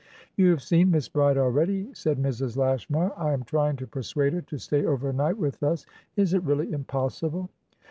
"You have seen Miss Bride already," said Mrs. Lashmar. "I am trying to persuade her to stay over night with us. Is it really impossible?"